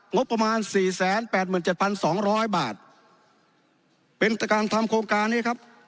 งบประมาณสี่แสนแปดหมื่นเจ็ดพันสองร้อยบาทเป็นการทำโครงการนี้ครับ